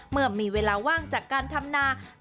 เมื่อมีเวลาว่างจากการทำนา